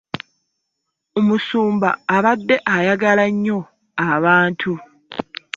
Omusumba abadde ayagala nnyo abantu.